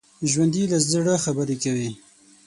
ژوندي له زړه خبرې کوي